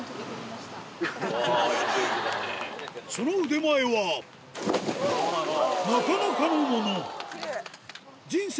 その腕前はなかなかのもの人生